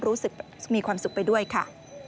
รู้สึกมีความสุขไปด้วยค่ะ